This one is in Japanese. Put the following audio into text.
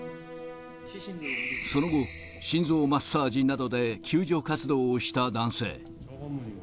その後、心臓マッサージなどで救助活動をした男性。